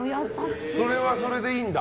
それはそれでいいんだ！